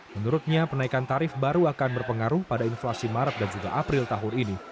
menurutnya penaikan tarif baru akan berpengaruh pada inflasi maret dan juga april tahun ini